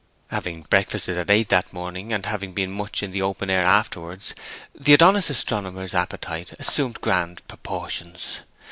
Having breakfasted at eight that morning, and having been much in the open air afterwards, the Adonis astronomer's appetite assumed grand proportions.